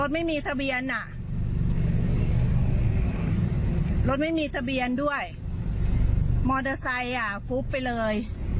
มอเตอร์ไซค์อ่ะฟุบไปเลย